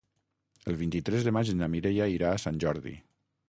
El vint-i-tres de maig na Mireia irà a Sant Jordi.